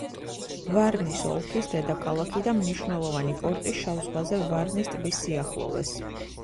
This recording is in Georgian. ვარნის ოლქის დედაქალაქი და მნიშვნელოვანი პორტი შავ ზღვაზე ვარნის ტბის სიახლოვეს.